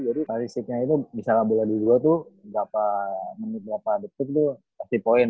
jadi statistiknya itu misalnya bola di gol tuh menit berapa detik tuh pasti poin